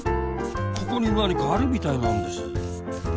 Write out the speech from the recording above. ここになにかあるみたいなんです。